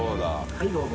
・はいどうぞ。